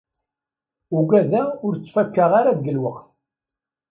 Ugadeɣ ur ttfakkaɣ ara deg lweqt.